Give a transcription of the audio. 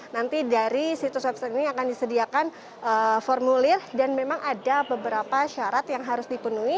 nanti dari situs website ini akan disediakan formulir dan memang ada beberapa syarat yang harus dipenuhi